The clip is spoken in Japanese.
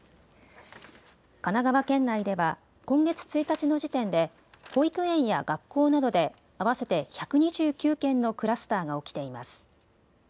神奈川県内では今月１日の時点で保育園や学校などで合わせて１２９件のクラスターが起きています。